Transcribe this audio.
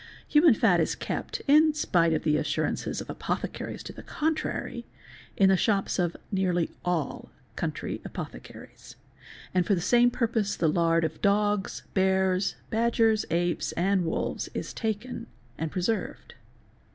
Human fat is kept, in spite of the assurances of Ee apothecaries to the contrary, in the shops of nearly all country apothe . caries, and for the same purpose the lard of dogs, bears, badgers, apes, : and wolves is taken and preserved.